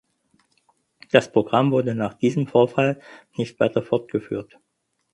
Das Programm wurde nach diesem Vorfall nicht weiter fortgeführt.